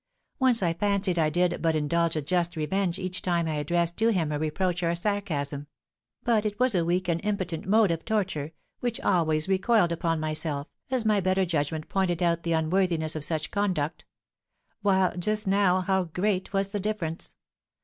Once I fancied I did but indulge a just revenge each time I addressed to him a reproach or a sarcasm; but it was a weak and impotent mode of torture, which always recoiled upon myself, as my better judgment pointed out the unworthiness of such conduct; while just now how great was the difference!